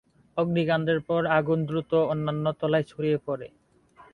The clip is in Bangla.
অগ্নিকাণ্ডের পর আগুন দ্রুত অন্যান্য তলায় ছড়িয়ে পরে।